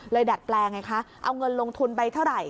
ดัดแปลงไงคะเอาเงินลงทุนไปเท่าไหร่